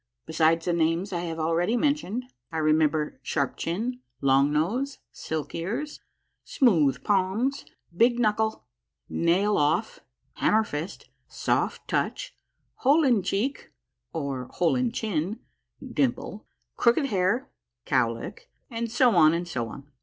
Besides the names I have already mentioned, I remember Sharp Chin, Long Nose, Silk Ears, Smooth Palms, Big Knuckle, Nail Off, Hammer Fist, Soft Touch, Hole in Cheek, or Hole in chin (Dimple), Crooked Hair (Cowlick), and so on, and so on.